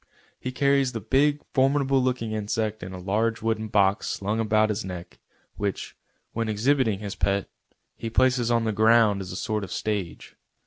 He carries the big, formidable looking insect in a large wooden box slung about his neck, which, when exhibiting his pet, he places on the ground as a sort of stage.